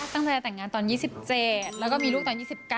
ตั้งแต่แต่งงานตอน๒๗แล้วก็มีลูกตอน๒๙